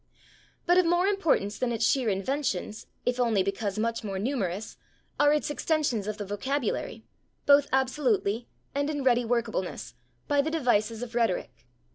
" But of more importance than its sheer inventions, if only because much more numerous, are its extensions of the vocabulary, both absolutely and in ready workableness, by the devices of rhetoric.